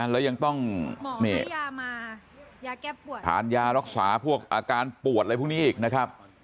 แล้วยังต้องทานยารักษาพวกอาการปวดอะไรพวกนี้อีกนะครับ